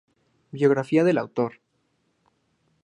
Biografía del autor